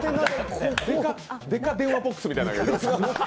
でか電話ボックスみたいな？